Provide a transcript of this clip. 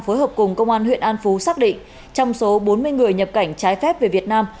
phối hợp cùng công an huyện an phú xác định trong số bốn mươi người nhập cảnh trái phép về việt nam